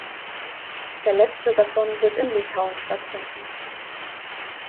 Der letzte davon wird in Litauen stattfinden.